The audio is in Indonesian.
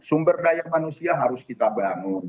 sumber daya manusia harus kita bangun